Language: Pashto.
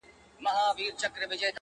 دلته برېتورو له مردیه لاس پرېولی دی؛